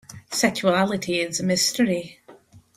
Sexuality is a mystery.